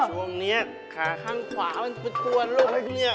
ช่วงนี้ข้างขวามันเป็นตัวลูกเนี่ย